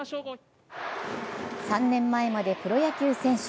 ３年前までプロ野球選手。